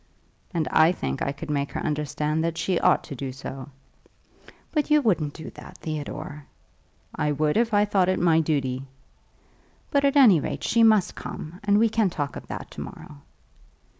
"And I think I could make her understand that she ought to do so." "But you wouldn't do that, Theodore?" "I would if I thought it my duty." "But at any rate, she must come, and we can talk of that to morrow."